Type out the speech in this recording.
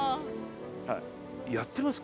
やってます？